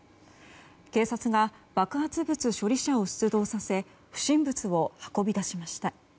警察が爆発物処理車を出動させ不審物を運び出しました。